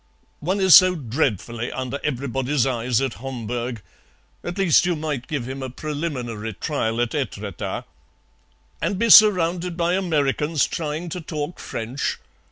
"One is so dreadfully under everybody's eyes at Homburg. At least you might give him a preliminary trial at Etretat." "And be surrounded by Americans trying to talk French?